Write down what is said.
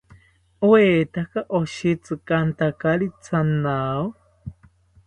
¿Oetaka oshitzitantakari thanao?